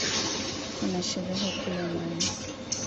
Kuna sherehe kule ndani